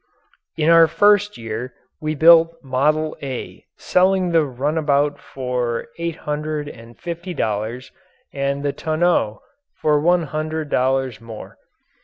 In our first year we built "Model A," selling the runabout for eight hundred and fifty dollars and the tonneau for one hundred dollars more.